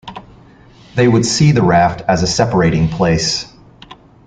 They would see the Raft as a separating place.